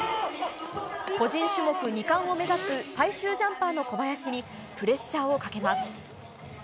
個人種目２冠を目指す最終ジャンパーの小林に、プレッシャーをかけます。